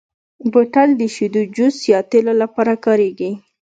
بوتل د شیدو، جوس، یا تېلو لپاره کارېږي.